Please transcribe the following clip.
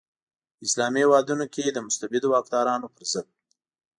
په اسلامي هیوادونو کې د مستبدو واکدارانو پر ضد.